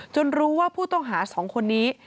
รู้ว่าผู้ต้องหา๒คนนี้